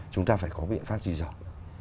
chúng ta phải có biện pháp gì rồi